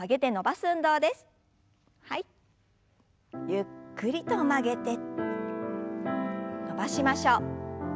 ゆっくりと曲げて伸ばしましょう。